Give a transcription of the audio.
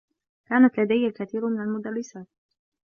كانت لديّ الكثير من المدرّسات.